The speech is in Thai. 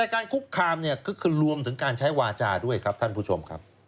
การคุกคามเนี่ยคือรวมถึงการใช้วาจาด้วยครับท่านผู้ชมครับ